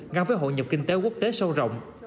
ngăn với hội nhập kinh tế quốc tế sâu rộng